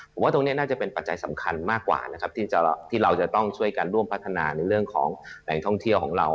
ผมว่าตรงนี้น่าจะเป็นปัจจัยสำคัญมากกว่านะครับที่เราจะต้องช่วยกันร่วมพัฒนาในเรื่องของแหล่งท่องเที่ยวของเรา